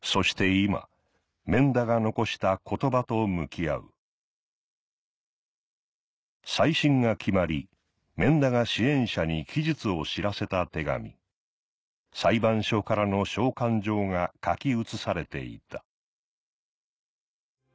今免田が残した言葉と向き合う再審が決まり免田が支援者に期日を知らせた手紙裁判所からの召喚状が書き写されていた